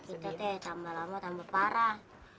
itu deh tambah lama tambah parah